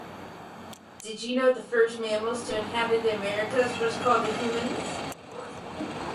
During the Late Triassic, some advanced cynodonts gave rise to the first Mammaliaformes.